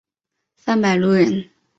范百禄人。